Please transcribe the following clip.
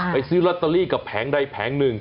ซื้อลอตเตอรี่กับแผงใดแผงหนึ่ง